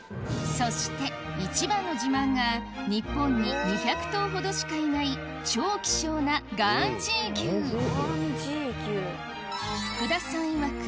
そして一番の自慢が日本に２００頭ほどしかいない超希少な福田さんいわく